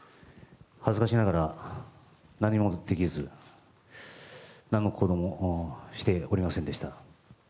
恥ずかしながら何もできず何の行動もしておりませんでした。